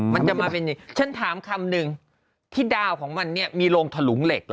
มันจะมาเป็นอย่างนี้ฉันถามคำหนึ่งที่ดาวของมันเนี่ยมีโรงถลุงเหล็กเหรอ